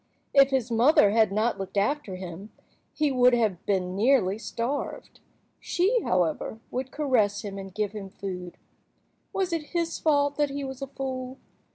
If his mother had not looked after him he would have been nearly starved. She, however, would caress him and give him food. Was it his fault that he was a fool?